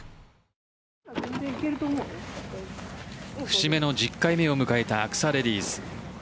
節目の１０回目を迎えたアクサレディス。